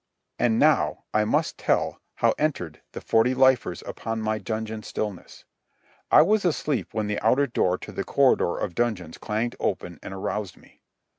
And now I must tell how entered the forty lifers upon my dungeon stillness. I was asleep when the outer door to the corridor of dungeons clanged open and aroused me.